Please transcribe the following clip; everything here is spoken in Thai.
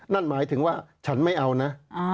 นั่นหมายถึงว่าฉันไม่เอานะ